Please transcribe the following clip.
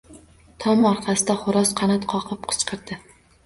Tom orqasida xoʻroz qanot qoqib qichqirdi.